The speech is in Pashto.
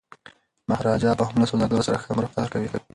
مهاراجا به هم له سوداګرو سره ښه رفتار کوي.